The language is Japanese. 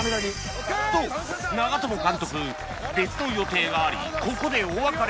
と長友監督別の予定がありここでお別れ